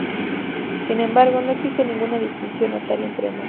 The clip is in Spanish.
Sin embargo, no existe ninguna distinción notoria entre ambas.